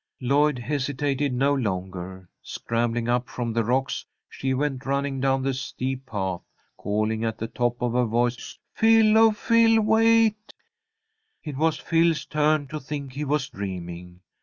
Lloyd hesitated no longer. Scrambling up from the rocks, she went running down the steep path, calling at the top of her voice, "Phil! Oh, Phil! Wait!" It was Phil's turn to think he was dreaming.